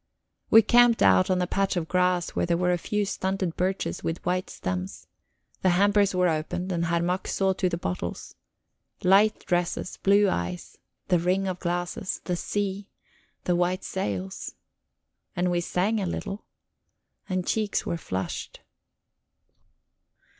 We camped out on a patch of grass where there were a few stunted birches with white stems. The hampers were opened, and Herr Mack saw to the bottles. Light dresses, blue eyes, the ring of glasses, the sea, the white sails. And we sang a little. And cheeks were flushed.